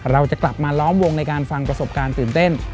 เราจะกลับมาล้อมวงในการฟังประสบการณ์ตื่นเต้น